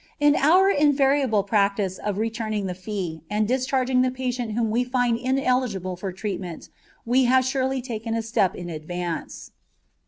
In our invariable practice of returning the fee and discharging the patient whom we find ineligible for treatment we have surely taken a step in advance.